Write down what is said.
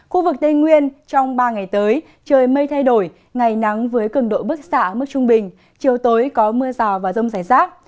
khu vực tây nguyên trong ba ngày tới trời mây thay đổi ngày nắng với cường độ bức xạ mức trung bình chiều tối có mưa rào và rông rải rác